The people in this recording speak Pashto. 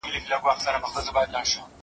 که وخت وي، ليک لولم!.